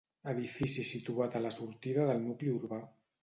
Edifici situat a la sortida del nucli urbà.